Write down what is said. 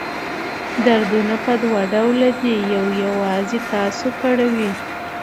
دردونه په دوه ډوله دي یو یوازې تاسو کړوي.